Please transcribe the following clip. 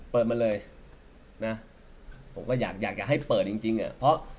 เปิดมั้งเลยนะผมก็อยากให้เปิดจริงเนี่ยเพราะ